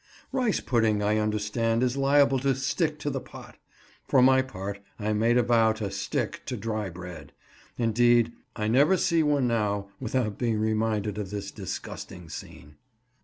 Rice pudding, I understand, is liable to "stick" to the pot; for my part, I made a vow to "stick" to dry bread; indeed, I never see one now without being reminded of this disgusting scene.